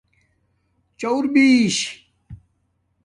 چُور بِیش